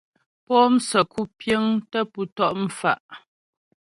Po'o msə́ku piəŋ tə pú tɔ' mfa'.